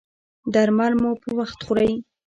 درمل مو په وخت خورئ؟